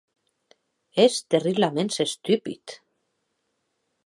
Ès terriblaments estupid.